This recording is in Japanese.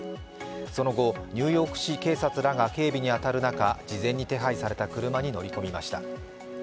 その後ニューヨーク市警察などが警備に当たる中、事前に手配された車に乗り込みました。